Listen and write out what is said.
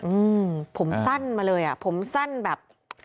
อืมผมสั้นมาเลยอ่ะผมสั้นแบบ